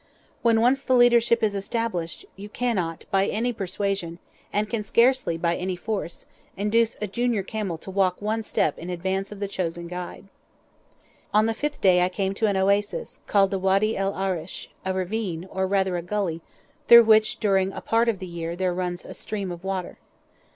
When once the leadership is established, you cannot by any persuasion, and can scarcely by any force, induce a junior camel to walk one single step in advance of the chosen guide. On the fifth day I came to an oasis, called the Wady el Arish, a ravine, or rather a gully, through which during a part of the year there runs a stream of water.